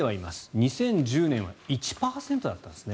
２０１０年は１％だったんですね。